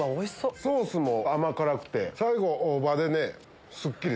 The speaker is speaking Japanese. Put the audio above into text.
ソースも甘辛くて最後大葉ですっきり！